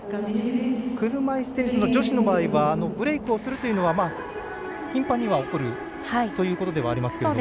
車いすテニスの女子の場合はブレークをするというのは頻繁に起こるということではありますが。